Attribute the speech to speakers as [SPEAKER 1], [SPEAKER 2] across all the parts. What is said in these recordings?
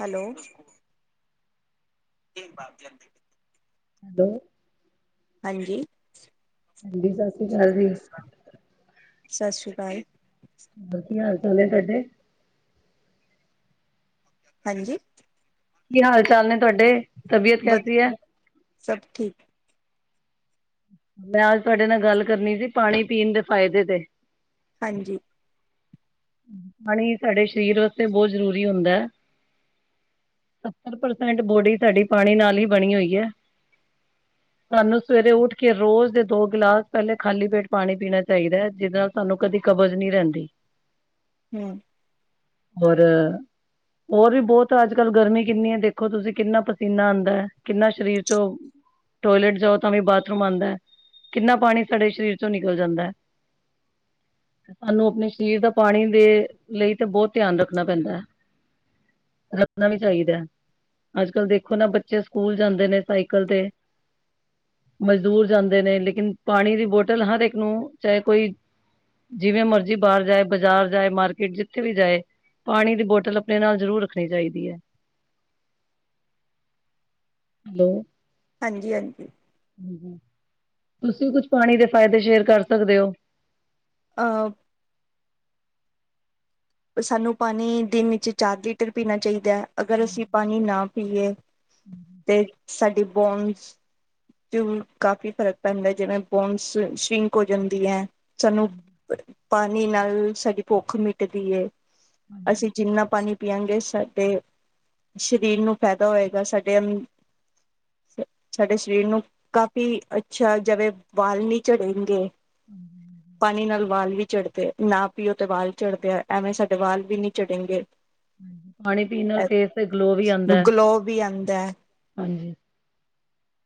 [SPEAKER 1] Hello. ਏਕ ਵਾਰ ਜ਼ਿੰਦਗੀ।
[SPEAKER 2] ਹੈਲੋ।
[SPEAKER 1] ਹਾਂਜੀ।
[SPEAKER 2] ਹਾਂਜੀ, ਸਾਸਰੀ ਕਾਲ ਜੀ।
[SPEAKER 1] ਸਤਿ ਸ਼੍ਰੀ ਅਕਾਲ
[SPEAKER 2] ਵਧੀਆਂ ਹੋਰ ਤੋਡੇ [unintelligible]
[SPEAKER 1] ਹਾਂਜੀ।
[SPEAKER 2] ਕੀ ਹਾਲ-ਚਾਲ ਨੇ ਤੁਹਾਡੇ? ਤਬੀਅਤ
[SPEAKER 1] ਵਧ
[SPEAKER 2] ਕੈਸੀ ਹੈ
[SPEAKER 1] ਆ ਸਭ ਠੀਕ
[SPEAKER 2] ਮੈਂ ਅੱਜ ਤੁਹਾਡੇ ਨਾਲ ਗੱਲ ਕਰਨੀ ਸੀ ਪਾਣੀ ਪੀਣ ਦੇ ਫਾਇਦੇ ਤੇ
[SPEAKER 1] ਹਾਂਜੀ ਈ
[SPEAKER 2] ਪਾਣੀ ਸਾਡੇ ਸਰੀਰ ਵਾਸਤੇ ਬਹੁਤ ਜ਼ਰੂਰੀ ਹੁੰਦਾ ਐ ਸੱਤਰ ਪਰਸੈਂਟ ਬੋਡੀ ਸਾਡੀ ਪਾਣੀ ਨਾਲ ਹੀ ਬਣੀ ਹੋਈ ਐ ਸਾਨੂੰ ਸਵੇਰੇ ਉੱਠ ਕੇ ਰੋਜ਼ ਦੇ ਦੋ ਗਿਲਾਸ ਪਹਿਲੇ ਖਾਲੀ ਪੇਟ ਪਾਣੀ ਪੀਣਾ ਚਾਹੀਦਾ ਐ ਜਿਦੇ ਨਾਲ ਸਾਨੂੰ ਕਦੀ ਕਬਜ਼ ਨੀਂ ਰਹਿੰਦੀ ਈ
[SPEAKER 1] ਹੂੰ
[SPEAKER 2] ਬੋਰ ਆ ਔਰ ਵੀ ਬਹੁਤ ਅੱਜ ਕੱਲ੍ਹ ਗਰਮੀ ਕਿੰਨੀ ਐ ਦੇਖੋ ਤੁਸੀਂ ਕਿੰਨਾ ਪਸੀਨਾ ਆਦਾ ਐ ਕਿੰਨਾ ਸਰੀਰ ਚੋਂ ਟੋਇਲੇਟ ਜਾਓ ਤਾਂ ਵੀ ਬਾਥਰੂਮ ਆਂਦਾ ‌ਐ ਕਿੰਨਾ ਪਾਣੀ ਸਾਡੇ ਸਰੀਰ ਚੋਂ ਨਿਕਲ ਜਾਂਦਾ ਐ ਤਾਨੂੰ ਆਪਣੇ ਸਰੀਰ ਦਾ ਪਾਣੀ ਦੇ ਲਈ ਤੇ ਬਹੁਤ ਧਿਆਨ ਰੱਖਣਾ ਪੈਂਦਾ ਐ ਲੱਖਣਾ ਵੀ ਚਾਹੀਦਾ ਐ ਅੱਜ ਕੱਲ੍ਹ ਦੇਖੋ ਨਾ ਬੱਚੇ ਸਕੂਲ ਜਾਂਦੇ ਨੇ ਸਾਈਕਲ ਤੇ ਏ ਮਜ਼ਦੂਰ ਜਾਂਦੇ ਨੇ ਲੇਕਿਨ ਪਾਣੀ ਦੀ ਬੋਟਲ ਹਰ ਇੱਕ ਨੂੰ ਚਾਹੇ ਕੋਈ ਜਿਵੇਂ ਮਰਜ਼ੀ ਈ ਬਾਹਰ ਜਾਏ ਬਾਜ਼ਾਰ ਜਾਏ ਮਾਰਕੀਟ ਜਿੱਥੇ ਵੀ ਜਾਏ ਪਾਣੀ ਦੀ ਬੋਤਲ ਆਪਣੇ ਨਾਲ ਜ਼ਰੂਰ ਰੱਖਣੀ ਚਾਹੀਦੀ ਐ ਹੈਲੋ
[SPEAKER 1] ਹਾਂਜੀ ਈ ਹਾਂਜੀ ਈ
[SPEAKER 2] ਹਾਜੀ ਈ ਤੁਸੀਂ ਕੁਛ ਪਾਣੀ ਦੇ ਫਾਇਦੇ ਸ਼ੇਅਰ ਕਰ ਸਕਦੇ ਓ
[SPEAKER 1] ਆ ਓ ਉਹ ਸਾਨੂੰ ਪਾਣੀ ਦਿਨ ਵਿੱਚ ਚਾਰ ਲੀਟਰ ਵੀ ਪੀਣਾ ਚਾਹੀਦਾ ਐ ਅਗਰ
[SPEAKER 2] ਹਾਂਜੀ
[SPEAKER 1] ਅਸੀਂ ਪਾਣੀ ਨਾ ਪੀਏ
[SPEAKER 2] ਹਾਂਜੀ
[SPEAKER 1] ਤੇ ਸਾਡੀ ਬੋਨਸ ਤੇ ਕਾਫ਼ੀ ਫਰਕ ਪੈਂਦਾ ਜਿਵੇਂ ਬੋਨਸ ਸੋਇਗ ਸ਼ਿੰਕ ਹੋ ਜਾਂਦੀ ਐ ਸਾਨੂੰ
[SPEAKER 2] ਹਾਂਜੀ
[SPEAKER 1] ਪਾਣੀ ਨਾਲ ਸਾਡੀ ਭੁੱਖ ਮਿਟਦੀ ਏ
[SPEAKER 2] ਹਾਂਜੀ
[SPEAKER 1] ਅਸੀਂ ਜਿੰਨਾ ਪਾਣੀ ਪੀਆ ਗੇ ਸਾਡੇ ਏ ਸਰੀਰ ਨੂੰ ਫ਼ਾਇਦਾ ਹੋਏਗਾ ਸਾਡੇ ਆਦ ਸਾਡੇ ਸਰੀਰ ਨੂੰ ਕਾਫ਼ੀ ਅੱਛਾ ਆ ਜਵੇ ਵਾਲ ਨੀ ਚੜੇਗੇਂ ਏ ਪਾਣੀ ਨਾਲ ਵਾਲ ਵੀ ਚੜਦੇ ਨਾ ਪੀਓ ਤੇ ਵਾਲ ਚੜਦੇ ਐ ਐਵੇਂ ਸਾਡੇ ਵਾਲ ਵੀ ਨੀ ਚੜੇ ਗੇਂ ਏ
[SPEAKER 2] ਹਾਂਜੀ ਪਾਣੀ ਪੀਣ ਨਾਲ ਫੇਸ ਤੇ ਗਲੋ ਵੀ ਆਉਂਦਾ
[SPEAKER 1] ਐਬ
[SPEAKER 2] ਹੈ।
[SPEAKER 1] ਗਲੋ ਵੀ ਆਂਦਾ ਐ
[SPEAKER 2] ਹਾਂਜੀ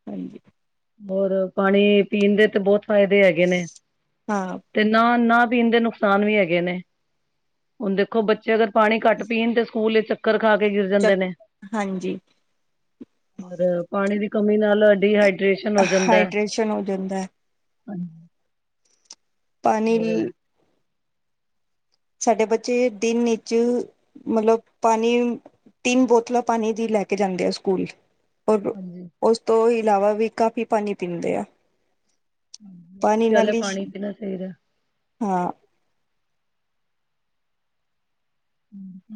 [SPEAKER 1] ਹਾਜੀ ਈ
[SPEAKER 2] ਹੋਰ ਪਾਣੀ ਪੀਣ ਦੇ ਤੇ ਬਹੁਤ ਫਾਇਦੇ ਹੈਗੇ ਨੇ ਏ
[SPEAKER 1] ਹਾਂ
[SPEAKER 2] ਤੇ ਨਾ ਨਾ ਪੀਣ ਦੇ ਨੁਕਸਾਨ ਵੀ ਹੈਗੇ ਨੇ ਹੁਣ ਦੇਖੋ ਬੱਚੇ ਅਗਰ ਪਾਣੀ ਘੱਟ ਪੀਣ ਤੇ ਸਕੂਲ ਵਿਚ ਚੱਕਰ ਖਾ ਕੇ ਗਿਰ
[SPEAKER 1] ਚ
[SPEAKER 2] ਜਾਂਦੇ ਨੇ
[SPEAKER 1] ਹਾਂਜੀ
[SPEAKER 2] ਔਰ ਦੀ ਕਮੀ ਨਾਲ ਆ
[SPEAKER 1] ਹਾਈਡ੍ਰੇਸ਼ਨ ਹੋ ਜਾਂਦਾ ਐ
[SPEAKER 2] ਹਾਂਜੀ ਈ
[SPEAKER 1] ਪਾਣੀ ਲੀ ਈ ਸਾਡੇ ਬੱਚੇ ਦਿਨ ਈਚ ਮਤਲਬ ਪਾਣੀ ਤਿੰਨ ਬੋਤਲਾਂ ਪਾਣੀ ਦੀ ਲੈ ਕੇ ਜਾਂਦੇ ਆ ਸਕੂਲ ਔਰ
[SPEAKER 2] ਹਾਂਜੀ
[SPEAKER 1] ਉਸ ਤੋਂ ਇਲਾਵਾ ਵੀ ਕਾਫ਼ੀ ਪਾਣੀ ਪੀਂਦੇ ਆ ਪਾਣੀ
[SPEAKER 2] ਗੱਲ ਐ
[SPEAKER 1] ਨਾਲ ਹੀ
[SPEAKER 2] ਪਾਣੀ ਪੀਣਾ ਚਾਹੀਦਾ ਆ
[SPEAKER 1] ਹਾਂ ਆ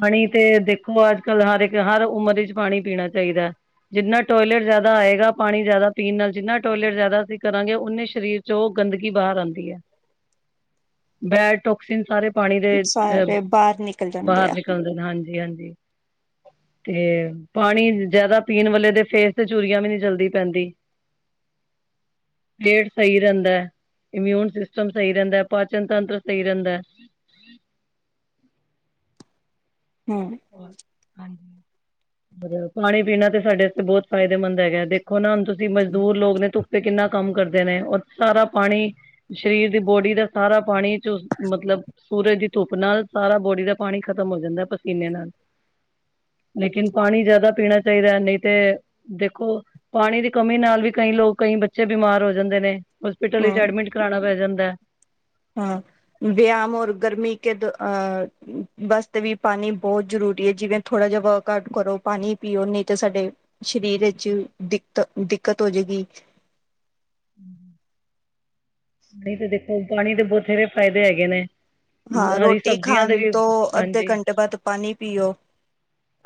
[SPEAKER 2] ਹਣੀ ਤੇ, ਦੇਖੋ ਅੱਜ- ਕੱਲ ਹਰ ਇੱਕ ਹਰ ਉਮਰ ਵਿੱਚ ਪਾਣੀ ਪੀਣਾ ਚਾਹੀਦਾ। ਜਿੰਨਾ ਟੋਇਲੇਟ ਜ਼ਾਦਾ ਆਏਗਾ ਪਾਣੀ ਜ਼ਾਦਾ ਪੀਣ ਨਾਲ ਜਿੰਨਾ ਟੋਇਲੇਟ ਜ਼ਾਦਾ ਅਸੀਂ ਕਰਾਂਗੇ ਉਨੇ ਸਰੀਰ 'ਚੋਂ ਗੰਦਗੀ ਬਾਹਰ ਆਉਂਦੀ ਐ, ਬੈਡ ਟੋਕਸੀਨ ਸਾਰੇ। ਪਾਣੀ ਦੇ ਅ
[SPEAKER 1] ਸਾਰੇ ਬਾਹਰ ਨਿਕ।
[SPEAKER 2] ਬਾਹਰ ਨਿਕਲਦੇ ਨੇ ਹਾਂਜੀ -ਹਾਂਜੀ। ਤੇ, ਪਾਣੀ ਜਿਆਦਾ ਪੀਣ ਵਾਲੇ ਦੇ ਫੇਸ ਤੇ ਝੁਰੀਆਂ ਵੀ ਨਹੀਂ ਜਲਦੀ ਪੈਂਦੀ। ਪੇਟ ਸਹੀ ਰਹਿੰਦਾ। ਇਮਿਊਨ ਸਿਸਟਮ ਸਹੀ ਰਹਿੰਦਾ, ਪਾਚਨ ਤੰਤਰ ਸਹੀ ਰਹਿੰਦਾ
[SPEAKER 1] ਹਾਂ।
[SPEAKER 2] ਹੋਰ, ਹਾਂਜੀ, ਮਤਲਬ ਪਾਣੀ ਪੀਣਾ ਤੇ ਸਾਡੇ ਬਹੁਤ ਫਾਇਦੇਮੰਦ ਹੈਗਾ ਦੇਖ ਦੇਖੋ ਨਾ ਹੁਣ ਤੁਸੀਂ ਮਜ਼ਦੂਰ ਲੋਗ ਨੇ, ਧੁੱਪੇ ਕਿੰਨਾ ਕੰਮ ਕਰਦੇ ਨੇ, ਔਰ ਸਾਰਾ ਪਾਣੀ। ਸਰੀਰ ਦੀ ਬੋਡੀ ਦਾ ਸਾਰਾ ਪਾਣੀ ਚੂਸ, ਮਤਲਬ। ਸੂਰਜ ਦੀ ਧੁੱਪ ਨਾਲ ਸਾਰਾ ਬੋਡੀ ਦਾ ਪਾਣੀ ਖਤਮ ਹੋ ਜਾਂਦਾ, ਪਸੀਨੇ ਨਾਲ ਲੇਕਿਨ ਪਾਣੀ ਜ਼ਿਆਦਾ ਪੀਣਾ ਚਾਈਦਾ, ਨਹੀਂ ਤੇ। ਦੇਖੋ, ਪਾਣੀ ਦੀ ਕਮੀ ਨਾਲ ਵੀ, ਕਈ ਲੋਕ, ਕਈ ਬੱਚੇ ਬਿਮਾਰ ਹੋ ਜਾਂਦੇ ਨੇ। ਹੋਸਪਿਟਲ ਵਿਚ ਐਡਮਿਟ ਕਰਾਣਾ ਪੈ ਜਾਂਦਾ।
[SPEAKER 1] ਹਾਂ, ਵਿਆਮ ਔਰ ਗਰਮੀ ਕੇ ਦ ਅ। ਵਾਸਤੇ ਵੀ ਪਾਣੀ ਬਹੁਤ ਜਰੂਰੀ ਐ, ਜਿਵੇਂ ਥੋੜਾ ਜਿਹਾ ਵਰਕ ਆਊਟ ਕਰੋ, ਪਾਣੀ ਪੀਓ ਨਹੀਂ ਤਾਂ ਸਾਡੇ। ਸਰੀਰ ਵਿੱਚ ਦਿੱਕਤ, ਦਿੱਕਤ ਹੋਜੇਗੀ।
[SPEAKER 2] ਨਹੀਂ ਤਾਂ ਦੇਖੋ, ਪਾਣੀ ਦੇ ਬਥੇਰੇ ਫ਼ਾਇਦੇ ਹੈਗੇ ਨੇ।
[SPEAKER 1] ਹਾਂ
[SPEAKER 2] ਹਰੀ
[SPEAKER 1] ਰੋਟੀ
[SPEAKER 2] ਸਬਜ਼ੀਆਂ
[SPEAKER 1] ਖਾਣ
[SPEAKER 2] ਦੇ ਵੀ
[SPEAKER 1] ਤੋਂ, ਅੱਧੇ
[SPEAKER 2] ਹਾਂਜੀ
[SPEAKER 1] ਘੰਟੇ ਬਾਅਦ ਪਾਣੀ ਪੀਓ।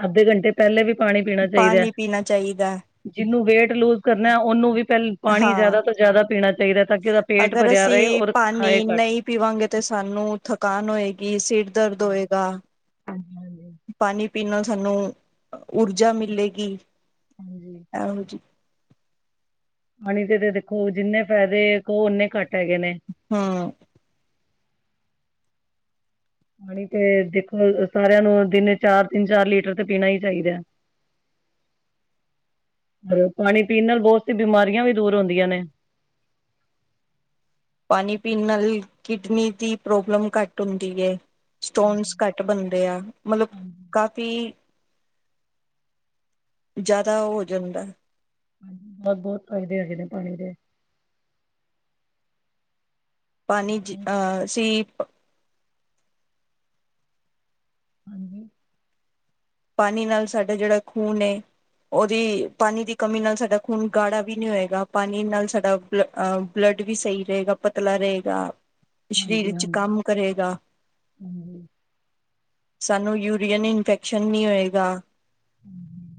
[SPEAKER 2] ਅੱਧੇ ਘੰਟੇ ਪਹਿਲੇ ਵੀ ਪਾਣੀ ਪੀਣਾ ਚਾਹੀਦਾ।
[SPEAKER 1] ਪਾਣੀ ਪੀਣਾ ਚਾਹੀਦਾ ਹੈ
[SPEAKER 2] ਜਿਹਨੂੰ ਵੇਟ ਲੂਜ਼ ਕਰਨਾ, ਉਹਨੂੰ ਵੀ ਪਹਿਲੇ, ਪਾਣੀ
[SPEAKER 1] ਹਾਂ
[SPEAKER 2] ਜ਼ਾਦਾ ਤੋਂ ਜਾਦਾ ਪੀਣਾ ਚਾਈਦਾ, ਤਾਂ ਕਿ ਉਹਦਾ ਪੇਟ
[SPEAKER 1] ਅਗਰ
[SPEAKER 2] ਭਰਿਆ
[SPEAKER 1] ਅਸੀਂ
[SPEAKER 2] ਰਹੇ, ਔਰ
[SPEAKER 1] ਪਾਣੀ
[SPEAKER 2] ਖਾਏ ਘੱਟ।
[SPEAKER 1] ਨਹੀਂ ਪੀਵਾਂਗੇ ਤੇ ਸਾਨੂੰ, ਥਕਾਨ ਹੋਏਗੀ, ਸਿਰ ਦਰਦ ਹੋਏਗਾ,
[SPEAKER 2] ਹਾਂਜੀ ਹਾਂਜੀ
[SPEAKER 1] ਪਾਣੀ ਪਾਣੀ ਪੀਣ ਨਾਲ ਸਾਨੂੰ, ਊਰਜਾ ਮਿਲੇਗੀ।
[SPEAKER 2] ਹਾਂਜੀ।
[SPEAKER 1] ਐਹੋ ਜੀ,
[SPEAKER 2] ਪਾਣੀ ਤੇ ਦੇਖੋ, ਜਿੰਨੇ ਫੈਦੇ ਕਹੋ, ਓਨੇ ਘੱਟ ਹੈਗੇ ਨੇ।
[SPEAKER 1] ਹਾਂ।
[SPEAKER 2] ਪਾਣੀ ਤੇ ਦੇਖੋ, ਸਾਰਿਆਂ ਨੂੰ ਦਿਨੇ ਚਾਰ, ਤਿੰਨ -ਚਾਰ ਲੀਟਰ ਤੇ ਪੀਣਾ ਹੀ ਚਾਹੀਦਾ। ਔਰ, ਪਾਣੀ ਪੀਣ ਨਾਲ ਬਹੁਤ ਸੀ ਬਿਮਾਰੀਆਂ ਵੀ ਦੂਰ ਹੁੰਦੀਆਂ ਨੇ।
[SPEAKER 1] ਪਾਣੀ ਪੀਣ ਨਾਲ ਹੀ, ਕਿਡਨੀ ਦੀ ਪ੍ਰੋਬਲਮ ਘੱਟ ਹੁੰਦੀ ਐ। ਸਟੋਨਸ ਘੱਟ ਬਨਦੇ ਆ, ਮਤਲਬ
[SPEAKER 2] ਹਾਂਜੀ ਹਾਂਜੀ।
[SPEAKER 1] ਕਾਫੀ। ਕੀ, ਜਾਦਾ ਉਹ ਹੋ ਜਾਂਦਾ।
[SPEAKER 2] ਹਾਂਜੀ, ਬੋਤ- ਬੋਤ ਫਾਇਦੇ ਹੈਗੇ ਨੇ ਪਾਣੀ ਦੇ।
[SPEAKER 1] ਪਾਣੀ ਜੀ, ਅਹ ਅਸੀ।
[SPEAKER 2] ਹਾਂਜੀ।
[SPEAKER 1] ਪਾਣੀ ਨਾਲ ਸਾਡਾ ਜੇੜਾ ਖੂਨ ਐ। ਉਹਦੀ, ਪਾਣੀ ਦੀ ਕਮੀ ਨਾਲ ਸਾਡਾ ਖੂਨ ਗਾੜਾ ਵੀ ਨੀ ਹੋਏਗਾ, ਪਾਣੀ ਨਾਲ ਸਾਡਾ ਬਲੱ, ਬਲੱਡ ਵੀ ਸਈ ਰਹੇਗਾ, ਪਤਲਾ ਰਹੇਗਾ। ਸਰੀਰ
[SPEAKER 2] ਹਾਂਜੀ ਹਾਂਜੀ
[SPEAKER 1] 'ਚ
[SPEAKER 2] ਹਾਂਜੀ।
[SPEAKER 1] ਕੰਮ ਕਰੇਗਾ। ਸਾਨੂੰ ਯੂਰੀਅਨ ਇਨਫੈਕਸ਼ਨ ਨੀ ਹੋਏਗਾ।
[SPEAKER 2] ਹਮ,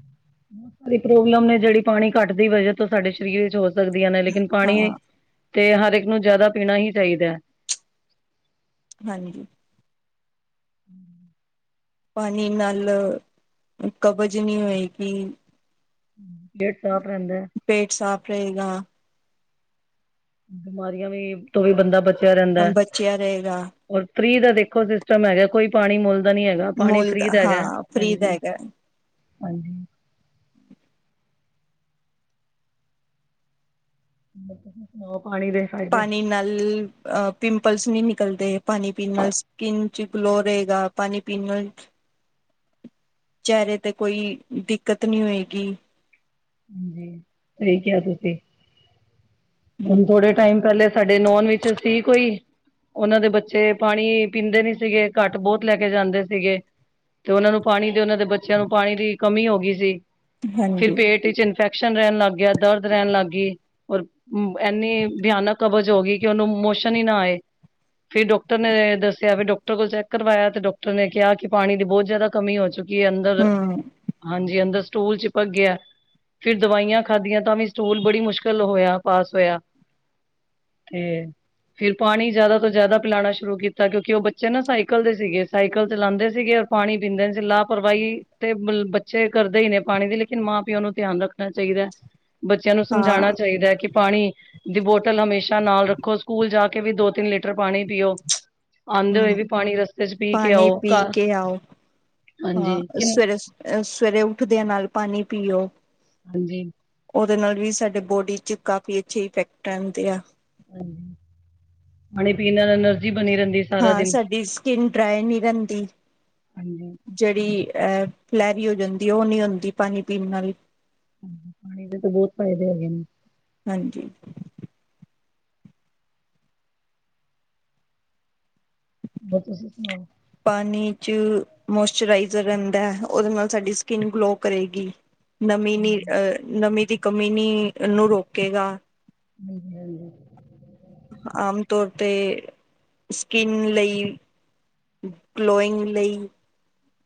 [SPEAKER 2] ਬਹੁਤ ਸਾਰੀ ਪ੍ਰੋਬਲਮ ਨੇ ਜੇੜੀ ਪਾਣੀ ਘੱਟ ਦੀ ਵਜ੍ਹਾ ਤੋਂ ਸਾਡੇ ਸਰੀਰ ਵਿੱਚ ਹੋ ਸਕਦੀਆਂ ਨੇ, ਲੇਕਿਨ ਪਾਣੀ,
[SPEAKER 1] ਹਾਂ
[SPEAKER 2] ਤੇ ਹਰ ਇੱਕ ਨੂੰ ਜ਼ਾਦਾ ਪੀਣਾ ਹੀ ਚਾਹੀਦਾ।
[SPEAKER 1] ਹਾਂਜੀ। ਪਾਣੀ ਨਾਲ, ਕਬਜ਼ ਨੀ ਹੋਏਗੀ।
[SPEAKER 2] ਹੂੰ, ਪੇਟ ਸਾਫ਼ ਰੈਂਦੈ।
[SPEAKER 1] ਪੇਟ ਸਾਫ਼ ਰਏਗਾ।
[SPEAKER 2] ਬਿਮਾਰੀਆਂ ਵੀ ਤੋਂ ਵੀ ਬੰਦਾ ਬਚੇਆ ਰੈਂਦਾ।
[SPEAKER 1] ਹਮ ਬਚਿਆ ਰਹੇਗਾ
[SPEAKER 2] ਔਰ ਫ੍ਰੀ ਦਾ ਦੇਖੋ ਸਿਸਟਮ ਹੈਗਾ ਕੋਈ ਪਾਣੀ ਮੁੱਲ ਦਾ ਨੀ ਹੈਗਾ, ਪਾਣੀ
[SPEAKER 1] ਮੁੱਲ
[SPEAKER 2] ਫ੍ਰੀ ਦਾ ਹੈਗਾ
[SPEAKER 1] ਹਾਂ ਫ੍ਰਰੀ ਦਾ ਹੈਗਾ
[SPEAKER 2] ਹਾਂਜੀ-ਹਾਂਜੀ। [unintelligible] ਤੁਸੀ ਸੁਨਾਓ ਪਾਣੀ ਦੇ ਫਾਇਦੇ
[SPEAKER 1] ਪਾਨੀ ਨਾਲ ਅ ਪਿੰਪਲਸ ਨੀ ਨਿਕਲਦੇ ਪਾਨੀ ਪੀਨ ਨਾਲ ਸਕਿੰਨ ਚ ਗਲੋ ਰਏਗਾ, ਪਾਨੀ ਪੀਨ ਨਾਲ
[SPEAKER 2] [inaudible]
[SPEAKER 1] ਚੈਰੇ ਤੇ ਕੋਈ ਦਿੱਕਤ ਨੀ ਹੋਏਗੀ।
[SPEAKER 2] ਹਾਜੀ ਸਈ ਕੇਆ ਤੁਸੀਂ,
[SPEAKER 1] ਹਮ
[SPEAKER 2] ਹੁਨ ਥੋੜੇ ਟਾਈਮ ਪੈਲੇ ਸਾਡੇ ਨੋਨ ਵਿੱਚ ਸੀ ਕੋਈ ਓਨਾਂ ਦੇ ਬੱਚੇ ਪਾਣੀ ਪੀਂਦੇ ਨੀ ਸੀਗੇ ਘੱਟ ਬੋਤ ਲੈ ਕੇ ਜਾਂਦੇ ਸੀਗੇ ਤੇ ਓਨਾਂ ਨੂੰ ਪਾਣੀ ਦੇ ਓਨਾਂ ਦੇ ਬੱਚੇਆਂ ਨੂੰ ਪਾਣੀ ਦੀ ਕਮੀ ਹੋ ਗੀ ਸੀ ਫਿਰ
[SPEAKER 1] ਹਾਂਜੀ
[SPEAKER 2] ਪੇਟ 'ਚ ਇਨਫੈਕਸ਼ਨ ਰੈਨ ਲੱਗ ਗਯਾ, ਦਰਦ ਰੈਨ ਲੱਗ ਗੀ। ਔਰ ਐਨੀ ਭਿਆਨਕ ਕਬਜ਼ ਹੋ ਗੀ ਕਿ ਓਨੂੰ ਮੋਸ਼ਨ ਈ ਨਾ ਆਏ। ਫਿਰ ਡਾਕਟਰ ਨੇ ਦੱਸਿਆ ਫਿਰ ਡਾਕਟਰ ਕੋਲ ਚੈੱਕ ਕਰਵਾਇਆ ਤੇ ਡਾਕਟਰ ਨੇ ਕੇਆ ਕਿ ਪਾਣੀ ਦੀ ਬੋਤ ਜਾਦਾ ਕਮੀ ਹੋ ਚੁੱਕ ਕੀ ਅੰਦਰ,
[SPEAKER 1] ਹਮ
[SPEAKER 2] ਹਾਂਜੀ ਅੰਦਰ ਸਟੂਲ ਚਿਪਕ ਗਯਾ। ਫਿਰ ਦਵਾਈਆਂ ਖਾਧੀਆਂ ਤਾਂ ਵੀ ਸਟੂਲ ਬੜੀ ਮੁਸ਼ਕਿਲ ਹੋਏਆ ਪਾਸ ਹੋਏਆ‌। ਤੇ ਫਿਰ ਪਾਣੀ ਜਾਦਾ ਤੋਂ ਜਾਦਾ ਪਿਲਾਣਾ ਸ਼ੁਰੂ ਕੀਤਾ ਕਿਉਂਕਿ ਓ ਬੱਚੇ ਨਾ ਸਾਈਕਲ ਦੇ ਸੀਗੇ ਸਾਈਕਲ ਚਲਾਂਦੇ ਸੀਗੇ ਪਾਣੀ ਪੀਂਦੇ ਨੀ ਸੀ, ਲਾਪਰਵਾਹੀ ਤੇ ਬੱਚੇ ਕਰਦੇ ਈ ਨੇ ਪਾਣੀ ਦੀ ਲੇਕਿਨ ਮਾਂ ਪਿਓ ਨੂੰ ਧਿਆਨ ਰੱਖਣਾ ਚਾਈਦਾ ਬੱਚੇਆਂ ਨੂੰ
[SPEAKER 1] ਹਾਂ
[SPEAKER 2] ਸਮਝਾਣਾ ਚਾਈਦਾ ਕਿ ਪਾਣੀ ਦੀ ਬੋਟਲ ਹਮੇਸ਼ਾ ਨਾਲ ਰੱਖੋ ਸਕੂਲ ਜਾ ਕੇ ਵੀ ਦੋ ਤਿੰਨ ਲੀਟ ਟਰ ਪਾਣੀ ਪੀਓ ਆਂਦੇ ਹੋਏ
[SPEAKER 1] ਹਮ
[SPEAKER 2] ਵੀ ਪਾਣੀ ਰਸਤੇ 'ਚ ਪੀ ਕੇ
[SPEAKER 1] ਪਾਣੀ
[SPEAKER 2] ਆਓ
[SPEAKER 1] ਪੀ
[SPEAKER 2] ਘਰ
[SPEAKER 1] ਕੇ ਆਓ
[SPEAKER 2] ਹਾਂਜੀ
[SPEAKER 1] ਹਾਂ
[SPEAKER 2] ਕਿ
[SPEAKER 1] ਸਵੇਰੇ, ਸਵੇਰੇ ਉੱਠਦੇ ਆ ਨਾਲ ਪਾਨੀ ਪੀਓ।
[SPEAKER 2] ਹਾਂਜੀ।
[SPEAKER 1] ਓਦੇ ਨਾਲ ਵੀ ਸਾਡੇ ਬੋਡੀ 'ਚ ਕਾਫੀ ਅੱਛੇ ਇਫੈਕਟ ਰੈਂਦੇ ਆ।
[SPEAKER 2] ਹੂੰ, ਪਾਣੀ ਪੀਨ ਨਾਲ ਐਨਰਜੀ ਬਨੀ ਰੈਂਦੀ।
[SPEAKER 1] ਹਾਂ ਸਾਡੀ ਸਕਿਨ ਡਰਾਏ ਨੀ ਰੈਂਦੀ।
[SPEAKER 2] ਹਾਂਜੀ
[SPEAKER 1] ਜਿਹੜੀ ਐ ਫਲੈਰੀ ਹੋ ਜਾਂਦੀ ਓ ਨੀ ਹੁੰਦੀ ਪਾਨੀ ਪੀਨ ਨਾਲ।
[SPEAKER 2] ਹੂੰ, ਪਾਣੀ ਦੇ ਤੇ ਬੋਤ ਫ਼ਾਏਦੇ ਹੈਗੇ ਨੇ।
[SPEAKER 1] ਹਾਂਜੀ।
[SPEAKER 2] ਬਸ ਤੁਸੀਂ ਸੁਨਾਓ?
[SPEAKER 1] ਪਾਨੀ 'ਚ ਮੋਸਚਰਾਈਜ਼ਰ ਰੈਂਦਾ ਓਦੇ ਨਾਲ ਸਾਡੀ ਸਕਿੰਨ ਗਲੋ ਕਰੇਗੀ। ਨਮੀ ਨੀ ਅਹ ਨਮੀ ਦੀ ਕਮੀ ਨੀ ਨੂੰ ਰੋਕੇਗਾ।
[SPEAKER 2] [unintelligible]
[SPEAKER 1] ਆਮ ਤੌਰ ਤੇ ਸਕਿਨ ਲਈ ਗਲੋਇੰਗ ਲਈ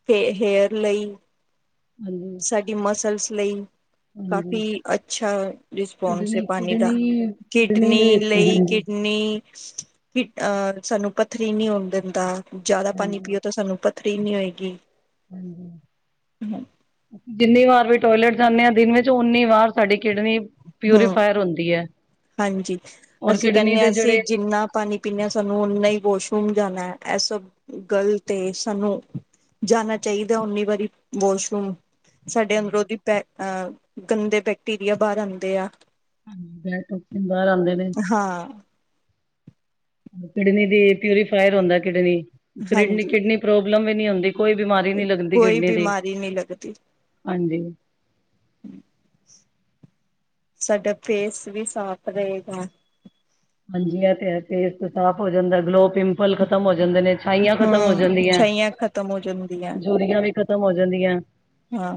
[SPEAKER 1] ਤੇ ਹੇਅਰ ਲਈ
[SPEAKER 2] ਹਾਂਜੀ।
[SPEAKER 1] ਸਾਡੀ ਮਸਲਸ ਲਈ
[SPEAKER 2] ਹਾਂਜੀ ਹਾਂਜੀ
[SPEAKER 1] ਕਾਫ਼ੀ ਅੱਛਾ ਰਿਸਪੋਂਸ ਏ
[SPEAKER 2] ਕਿਡਨੀ,
[SPEAKER 1] ਪਾਨੀ ਦਾ
[SPEAKER 2] ਕਿਡਨੀ,
[SPEAKER 1] ਕਿਡਨੀ
[SPEAKER 2] ਵੇਸਟ ਹੈ।
[SPEAKER 1] ਲਈ
[SPEAKER 2] ਹਾਂਜੀ,
[SPEAKER 1] ਕਿਡਨ ਨੀ ਕਿ ਅਹ ਸਾਨੂੰ ਪੱਥਰੀ ਨੀ ਹੋਨ ਦੇਂਦਾ। ਜਾਦਾ ਪਾਣੀ
[SPEAKER 2] ਹਾਂਜੀ,
[SPEAKER 1] ਪੀਓ ਤੇ ਸਾਨੂੰ ਪੱਥਰੀ ਨੀ ਹੋਏਗੀ।
[SPEAKER 2] ਹਾਂਜੀ। ਜਿੰਨੀ ਵਾਰ ਵੀ ਟੋਇਲੇਟ ਜਾਂਨੇ ਆ ਦਿਨ ਵਿੱਚ ਉੱਨੀ ਵਾਰ ਸਾਡੀ ਕਿਡਨੀ
[SPEAKER 1] ਹਮ
[SPEAKER 2] ਪਿਊਰੀਫਾਇਰ ਹੁੰਦੀ ਐ।
[SPEAKER 1] ਹਾਂਜੀ,
[SPEAKER 2] ਔਰ
[SPEAKER 1] ਅਸੀਂ
[SPEAKER 2] ਕਿਡਨੀ
[SPEAKER 1] ਕੈਂਨੇ ਆ
[SPEAKER 2] ਦੇ
[SPEAKER 1] ਅਸੀਂ
[SPEAKER 2] ਜਿਹੜੇ
[SPEAKER 1] ਜਿ ਜਿੰਨਾ ਪਾਣੀ ਪੀਨੇ ਆ ਸਾਨੂੰ ਉਨਾ ਈ ਵੋਸ਼ਰੂਮ ਜਾਣਾ ਐ ਸਭ ਗਲਤ ਏ ਸਾਨੂੰ ਜਾਣਾ ਚਾਈਦੈ ਉਨੀ ਵਾਰੀ ਵੋਸ਼ਰੂਮ। ਸਾਡੇ ਅੰਦਰੋਂ ਦੀ ਪੈ ਅ ਗੰਦੇ ਬੈਕਟੀਰੀਆ ਬਾਰ ਆਂਦੇ ਆ।
[SPEAKER 2] ਅੰਦਰ ਟੋਕਸੀਨ ਬਾਰ ਆਂਦੇ ਨੇ
[SPEAKER 1] ਹਾਂ।
[SPEAKER 2] ਕਿਡਨੀ ਦੀ ਪਿਊਰੀਫਾਇਰ ਹੁੰਦਾ ਕਿਡਨੀ,
[SPEAKER 1] ਹਾਂਜੀ
[SPEAKER 2] ਕਿਡਨੀ-ਕਿਡਨੀ ਪ੍ਰੋਬਲਮ ਵੀ ਹੁੰਦੀ ਕੋਈ ਬਿਮਾਰੀ ਨੀ ਲੱਗ
[SPEAKER 1] ਕੋਈ ਬਿਮਾਰੀ ਨੀ ਲੱਗਦੀ।
[SPEAKER 2] ਹਾਂਜੀ,
[SPEAKER 1] ਸਾਡਾ ਫੇਸ ਵੀ ਸਾਫ਼ ਰਏਗਾ।
[SPEAKER 2] ਹਾਂਜੀ ਐ ਤੇ ਫੇਸ਼ ਵੀ ਸਾਫ਼ ਹੋ ਜਾਂਦਾ ਗਲੋ ਪਿਮ ਪਲ ਖ਼ਤਮ ਹੋ ਜਾਂਦੇ ਨੇ ਛਾਈਆਂ ਖਤਮ ਹੋ ਜਾਂਦੀ ਐ।
[SPEAKER 1] ਛਾਹੀਆਂ ਖਤਮ ਹੋ ਜਾਂਦੀ ਐ।
[SPEAKER 2] ਯੂਰੀਆਂ ਵੀ ਖ਼ਤਮ ਹੋ ਜਾਂਦੀਆਂ।
[SPEAKER 1] ਹਾਂ।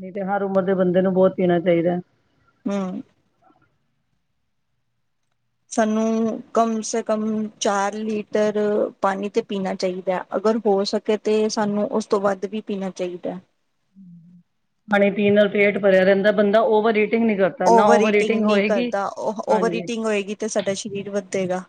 [SPEAKER 2] ਨਈ ਤੇ ਹਰ ਉਮਰ ਦੇ ਬੰਦੇ ਨੂੰ ਬੋਤ ਪੀਣਾ ਚਾਈਦਾ।
[SPEAKER 1] ਹੂੰ। ਸਾਨੂੰ ਕਮ ਸੇ ਕਮ ਚਾਰ ਲੀਟਰ ਪਾਣੀ ਤੇ ਪੀਣਾ ਚਾਈਦਾ ਅਗਰ ਹੋ ਸ ਕੇ ਤੇ ਸਾਨੂੰ ਉਸ ਤੋਂ ਵੱਧ ਵੀ ਪੀਣਾ ਚਾਈਦੈ।
[SPEAKER 2] ਪਾਣੀ ਪੀਣ ਨਾਲ ਪੇਂਟ ਭਰਿਆ ਰੈਂਦਾ ਬੰਦਾ ਓਵਰ ਏਟਿੰਗ ਨੀ ਕਰ
[SPEAKER 1] ਓਵਰ ਈਟਿੰਗ ਨੀ ਕਰਦਾ, ਉਹ ਓਵਰ
[SPEAKER 2] ਹਾਂਜੀ
[SPEAKER 1] ਈਟਿੰਗ ਹੋਏਗੀ ਤੇ ਸਾਡਾ ਸਰੀਰ ਵੱਧੇਗਾ।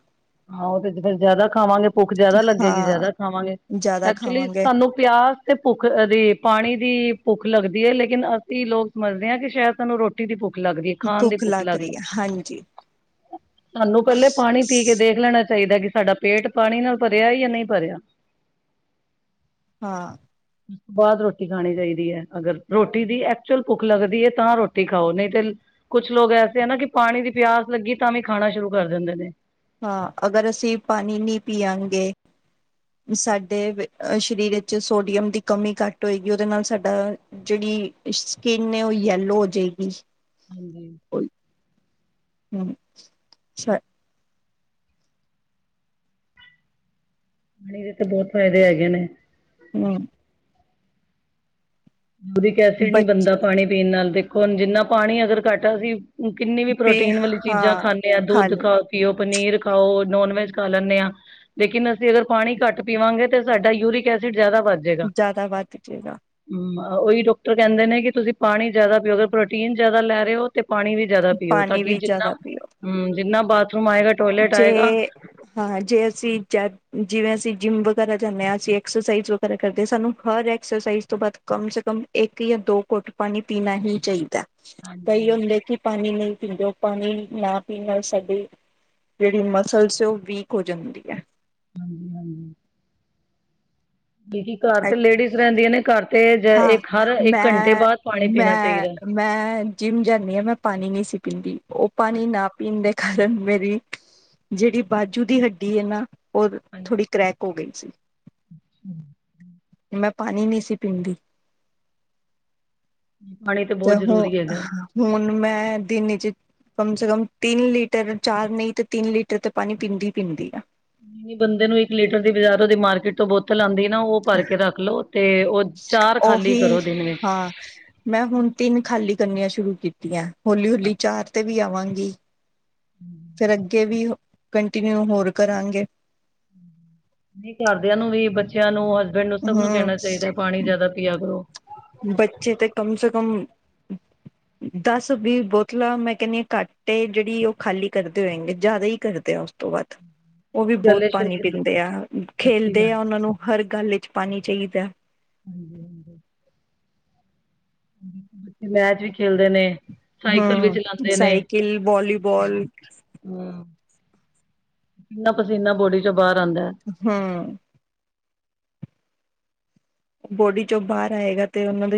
[SPEAKER 2] ਹਾਂ ਓ ਤੇ ਜ ਫੇਰ ਜਿਆਦਾ ਖਾਵਾਂਗੇ ਭੁੱਖ ਜਿਆਦਾ ਲੱਗੇਗੀ
[SPEAKER 1] ਹਾਂ
[SPEAKER 2] ਜਿਆਦਾ ਖਾਵਾਂਗੇ,
[SPEAKER 1] ਜ਼ਿਆਦਾ
[SPEAKER 2] ਐਕਚੁਲੀ
[SPEAKER 1] ਖਾਵਾਂਗੇ
[SPEAKER 2] ਸਾਨੂੰ ਪਿਆਸ ਤੇ ਭੁੱਖ ਦੀ ਪਾਣੀ ਦੀ ਭੁੱਖ ਲੱਗਦੀ ਏ ਲੇਕਿਨ ਅਸੀਂ ਲੋਕ ਸਮਝਦੇ ਆ ਕਿ ਸ਼ਾਇਦ ਸਾਨੂੰ ਰੋ ਟੀ ਦੀ ਭੁੱਖ ਲੱਗਦੀ ਏ, ਖਾਣ ਦੀ ਭੁੱਖ ਲੱਗ,
[SPEAKER 1] ਰਹੀ ਹੈ ਹਾਂਜੀ
[SPEAKER 2] ਸਾਨੂੰ ਪੈਲੇ ਪਾਣੀ ਪੀ ਕੇ ਦੇਖ ਲੈਣਾ ਚਾਈਦਾ ਕਿ ਸਾਡਾ ਪੇਂਟ ਪਾਣੀ ਨਾਲ ਭਰਿਆ ਜਾਂ ਨਈ ਭਰਿਆ।
[SPEAKER 1] ਹਾਂ‌।
[SPEAKER 2] [inaudible] ਬਾਅਦ ਰੋਟੀ ਖਾਣੀ ਚਾਈਦੀ ਐ ਅਗਰ ਰੋਟੀ ਦੀ ਐਕਚੁਅਲ ਭੁੱਖ ਲੱਗਦੀ ਏ ਤਾਂ ਰੋਟੀ ਖਾਓ ਨਈ ਤੇ ਕੁਛ ਲੋਗ ਐਸੇ ਆ ਨਾ ਕਿ ਪਾਣੀ ਦੀ ਪਿਆਸ ਲੱਗੀ ਤਾਂ ਵੀ ਖਾਣਾ ਸ਼ੁਰੂ ਕਰ ਦਿੰਦੇ ਨੇ।
[SPEAKER 1] ਹਾਂ ਅਗਰ ਅਸੀਂ ਪਾਣੀ ਨੀ ਪੀਆਗੇ ਸਾਡੇ ਅ ਸਰੀਰ ਵਿੱਚ ਸੋਡੀਅਮ ਦੀ ਕਮੀ ਘੱਟ ਹੋਏਗੀ ਉਦੇ ਨਾਲ ਸਾਡਾ ਜੇੜੀ ਸਕਿੰਨ ਏ ਓ ਯੈਲੋ ਹੋਜੇਗੀ।
[SPEAKER 2] ਹਾਂਜੀ।
[SPEAKER 1] ਉਈ, ਹੂੰ, ਸਾ
[SPEAKER 2] ਏਦੇ ਤੇ ਬੋਤ ਫਾਇਦੇ ਹੈਗੇ ਨੇ।
[SPEAKER 1] ਹੂੰ।
[SPEAKER 2] ਯੂਰਿਕ ਐਸਿਡ
[SPEAKER 1] ਬ
[SPEAKER 2] ਨੀ ਬਣਦਾ ਪਾਣੀ ਪੀਣ ਨਾਲ ਦੇਖੋ ਹੁਣ ਜਿੰਨਾ ਪਾਣੀ ਅਗਰ ਘੱਟ ਅਸੀਂ ਕਿੰਨੀ ਵੀ
[SPEAKER 1] ਪੀ
[SPEAKER 2] ਪ੍ਰੋਟੀਨ ਵਾਲੀ ਚੀਜ਼ਾਂ
[SPEAKER 1] ਹਾਂ
[SPEAKER 2] ਖਾਂਨੇ ਆ ਦੁੱਧ
[SPEAKER 1] ਖਾਲੀ
[SPEAKER 2] ਖਾ ਪੀਓ, ਪਨੀਰ ਖਾਓ ਨੋਨ ਵੈਜ ਖਾਂ ਲੈਂਨੇ ਆ ਲੇਕਿਨ ਅਸੀਂ ਅਗਰ ਪਾਣੀ ਘੱਟ ਪੀਵਾਂਗੇ ਤੇ ਸਾਡਾ ਯੂੂਰਿਕ ਐਸਿਡ ਜਿਆਦਾ ਵੱਧ ਜਾਏਗਾ
[SPEAKER 1] ਜਿਆਦਾ ਵੱਧ ਜੇਗਾ।
[SPEAKER 2] ਹਮ ਉਹੀ ਡਾਕਟਰ ਕਹਿੰਦੇ ਨੇ ਕਿ ਤੁਸੀਂ ਪਾਣੀ ਜਿਆਦਾ ਪਿਓ ਅਗਰ ਪ੍ਰੋਟੀਨ ਜਿਆਦਾ ਲੈ ਰਹੇ ਹੋ ਤੇ ਪਾਣੀ ਵੀ ਜਾਦਾ ਪੀਓ ਤਾਂ
[SPEAKER 1] ਪਾਣੀ ਵੀ
[SPEAKER 2] ਜਿੰਨਾ
[SPEAKER 1] ਜ਼ਿਆਦਾ ਪੀਓ
[SPEAKER 2] ਹਮ ਜਿੰਨਾ ਬਾਥਰੂਮ ਆਏਗਾ ਟੋਇਲੇਟ
[SPEAKER 1] ਜੇ
[SPEAKER 2] ਆਏਗਾ
[SPEAKER 1] ਹਾਂ ਜੇ ਅਸੀ ਜ ਜਿਵੇਂ ਜਿੰਮ ਵਗੈਰਾ ਜਾਂਦੇ ਹਾਂ ਅਸੀਂ ਐਕਸਰਸਾਈਜ਼ ਤਾਂ ਕਰਦੇ ਸਾਨੂੰ ਹਰ ਐਕਸਰਸਾਈਜ਼ ਤੋਂ ਬਾਅਦ ਕਮ ਸੇ ਕਮ ਇੱਕ ਜਾਂ ਦੋ ਕੁੱਟ ਪਾਣੀ ਪੀਣਾ ਹੀ ਚਾਹੀਦਾ। ਕਈ
[SPEAKER 2] ਹਾਂਜੀ
[SPEAKER 1] ਹੁੰਦੇ ਕਿ ਪਾਣੀ ਨਹੀਂ ਪੀਂਦੇ ੳਹ ਪਾਣੀ ਨਾ ਪੀ ਨਾਲ ਸਾਡੇ ਜਿਹੜੀ ਮਸਲਸ ਉਹ ਵੀਕ ਹੋ ਜਾਂਦੀ ਏ
[SPEAKER 2] ਹਾਂਜੀ - ਹਾਂਜੀ। ਕਈ ਕਈ ਘਰ ਤੇ ਲੇਡੀਜ਼ ਰਹਿੰਦੀਆਂ ਨੇ ਘਰ ਤੇ ਜ
[SPEAKER 1] ਹਾਂ
[SPEAKER 2] ਹਰ ਇੱਕ ਘੰਟੇ
[SPEAKER 1] ਮੈਂ
[SPEAKER 2] ਬਾਅਦ ਪਾਣੀ ਪੀਣਾ
[SPEAKER 1] ਮੈਂ
[SPEAKER 2] ਚਾਹੀਦਾ
[SPEAKER 1] ਮੈਂ ਜਿੰਮ ਜਾਂਦੀ ਹਾਂ ਮੈਂ ਪਾਣੀ ਨਹੀਂ ਸੀ ਪੀਂਦੀ ਉਹ ਪਾਣੀ ਨਾ ਪੀਣ ਦੇ ਕਾਰਨ ਮੇਰੀ ਜਿਹੜੀ ਬਾਜੂ ਦੀ ਹੱਡੀ ਹੈ ਨਾ ਉਹ ਥੋੜ੍ਹੀ ਕਰੈਕ ਹੋ ਗਈ ਸੀ
[SPEAKER 2] ਹਮ।
[SPEAKER 1] ਮੈਂ ਪਾਣੀ ਨਹੀਂ ਸੀ ਪੀਂਦੀ।
[SPEAKER 2] ਪਾਣੀ
[SPEAKER 1] ਤੇ
[SPEAKER 2] ਬਹੁਤ
[SPEAKER 1] ਹੁ
[SPEAKER 2] ਜ਼ਰੂਰੀ ਹੈਗਾ
[SPEAKER 1] ਹੁਣ ਮੈਂ ਦਿਨੀ 'ਚ ਕਮ ਸੇ ਕਮ ਤਿੰਨ ਲੀਟਰ, ਚਾਰ ਨਹੀਂ ਤੇ ਤਿੰਨ ਲੀਟਰ ਤੇ ਪਾਣੀ ਪੀਂਦੀ ਪੀਂਦੀ ਆ
[SPEAKER 2] ਨੀ ਬੰਦੇ ਨੂੰ ਇੱਕ ਲੀਟਰ ਦੀ ਬਾਜ਼ਾਰੋ ਦੀ ਮਾਰਕੀਟ ਤੋਂ ਬੋਤਲ ਆਉਂਦੀ ਨਾ ਉਹ ਭਰ ਕੇ ਰੱਖ ਲੋਓ। ਤੇ ਉਹ ਚਾਰ ਖਾਲੀ
[SPEAKER 1] ਉਹੀ
[SPEAKER 2] ਕਰੋ ਦਿਨ ਵਿੱਚ
[SPEAKER 1] ਹਾਂ ਮੈਂ ਹੁਣ ਤਿੰਨ ਖਾਲੀ ਕਰਨੀਆਂ ਸ਼ੁਰੂ ਕੀਤੀਆਂ ਹੌਲੀ - ਹੌਲੀ ਚਾਰ ਤੇ ਵੀ ਆਵਾਂਗੀ
[SPEAKER 2] ਹਮ।
[SPEAKER 1] ਫਿਰ ਅੱਗੇ ਵੀ ਕੰਟੀਨਿਊ ਹੋਰ ਕਰਾਂਗੇ।
[SPEAKER 2] ਨਹੀਂ ਘਰਦਿਆਂ ਨੂੰ ਵੀ ਬੱਚਿਆਂ ਨੂੰ ਹਸਬੈਂਡ ਨੂੰ ਸਭ ਨੂੰ
[SPEAKER 1] ਹਮ
[SPEAKER 2] ਕਹਿਣਾ ਚਾਹੀਦਾ ਪਾਣੀ ਜ਼ਿਆਦਾ ਪੀਆ ਕਰੋ
[SPEAKER 1] ਬੱਚੇ ਤੇ ਕਮ ਸੇ ਕਮ ਦਸ, ਵੀਹ ਬੋਤਲਾਂ ਮੈਂ ਕਹਿੰਦੀ ਹਾਂ ਘੱਟ ਏ ਜਿਹੜੀ ਉਹ ਖਾਲੀ ਕਰਦੇ ਹੋਏਗੇ ਜ਼ਿਆਦਾ ਹੀ ਕਰਦੇ ਉਸ ਤੋਂ ਵਦ
[SPEAKER 2] ਹਮ।
[SPEAKER 1] ਉਹ ਵੀ ਬਹੁਤ ਪਾਣੀ ਪੀਂਦੇ ਆ
[SPEAKER 2] ਅੱਛੀ
[SPEAKER 1] ਖੇਲਦੇ
[SPEAKER 2] ਗੱਲ
[SPEAKER 1] ਆ ਉਹਨਾਂ ਨੂੰ ਹਰ ਗੱਲ ਵਿੱਚ ਪਾਣੀ ਚਾਹੀਦਾ।
[SPEAKER 2] ਹਮ। ਮੈਚ ਵੀ ਖੇਲਦੇ ਨੇ ਸਾਈਕਲ ਵੀ
[SPEAKER 1] ਹਮ
[SPEAKER 2] ਚਲਾਉਂਦੇ
[SPEAKER 1] ਸਾਈਕਲ, ਵੋਲੀਬੋਲ
[SPEAKER 2] ਹਮ, ਕਿੰਨਾ ਪਸੀਨਾ ਬੋਡੀ ਚੋਂ ਬਾਹਰ ਆਉਂਦਾ।
[SPEAKER 1] ਹਾਂ। ਬੋਡੀ ਚੋਂ ਬਾਹਰ ਆਏਗਾ ਤੇ ਉਹਨਾਂ ਦੇ ਸਰੀ